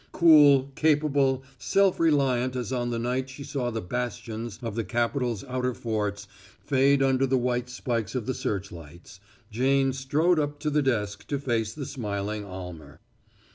Cool, capable, self reliant as on the night she saw the bastions of the capital's outer forts fade under the white spikes of the search lights, Jane strode up the desk to face the smiling Almer.